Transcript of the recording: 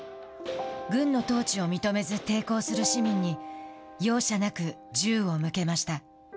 軍の統治を認めず抵抗する市民に容赦なく銃を向けました。